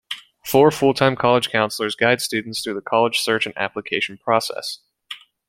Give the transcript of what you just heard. Four full-time college counselors guide students through the college search and application process.